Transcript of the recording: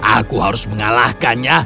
aku harus mengalahkannya